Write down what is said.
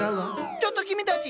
ちょっと君たち！